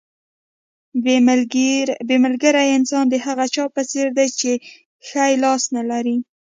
بې ملګري انسان د هغه چا په څېر دی چې ښی لاس نه لري.